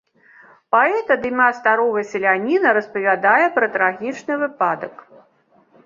Паэт ад імя старога селяніна распавядае пра трагічны выпадак.